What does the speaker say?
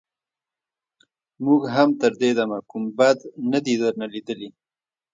موږ هم تر دې دمه کوم بد نه دي درنه ليدلي.